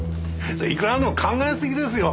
いくらなんでも考えすぎですよ。